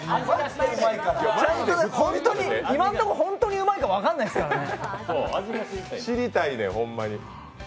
今のところ、本当にうまいか分からないよね。